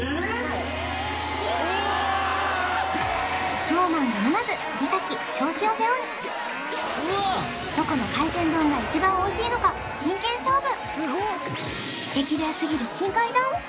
ＳｎｏｗＭａｎが沼津三崎銚子を背負いどこの海鮮丼が一番おいしいのか真剣勝負激レアすぎる深海丼？